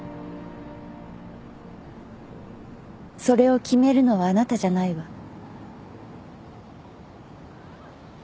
それを決めるのはあなたじゃないわ。